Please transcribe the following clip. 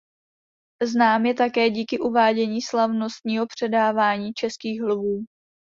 Znám je také díky uvádění slavnostního předávání Českých lvů.